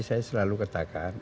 saya selalu katakan